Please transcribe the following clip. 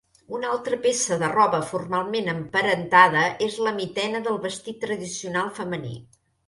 Una altra peça de roba formalment emparentada és la mitena del vestit tradicional femení.